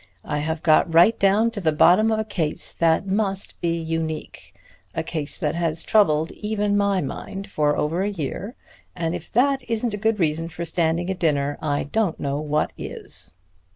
I have got right down to the bottom of a case that must be unique, a case that has troubled even my mind for over a year, and if that isn't a good reason for standing a dinner, I don't know what is.